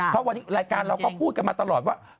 เพราะวันนี้รายการเราก็พูดกันมาตลอดว่า